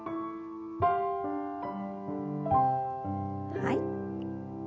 はい。